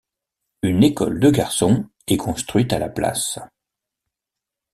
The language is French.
Une école de garçons est construite à la place.